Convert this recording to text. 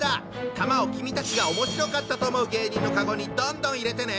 玉を君たちがおもしろかったと思う芸人のカゴにどんどん入れてね！